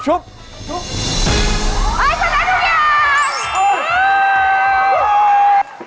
๒หมื่น